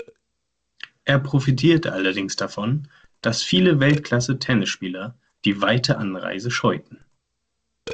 Er profitierte allerdings davon, dass viele Weltklasse-Tennisspieler die weite Anreise scheuten.